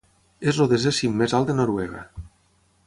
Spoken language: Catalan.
És el desè cim més alt de Noruega.